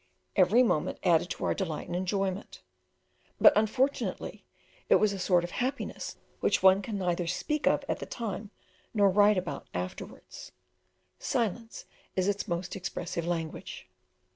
Every moment added to our delight and enjoyment; but unfortunately it was a sort of happiness which one can neither speak of at the time, nor write about afterwards: silence is its most expressive language.